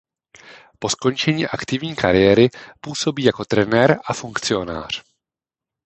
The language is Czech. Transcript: Po skončení aktivní kariéry působí jako trenér a funkcionář.